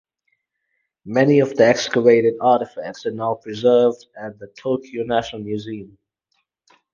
Many of the excavated artifacts are now preserved at the Tokyo National Museum.